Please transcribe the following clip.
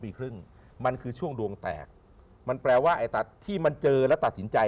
ปีครึ่งมันคือช่วงดวงแตกมันแปลว่าไอ้ตัดที่มันเจอแล้วตัดสินใจ